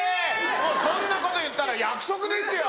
そんなこと言ったら約束ですよ。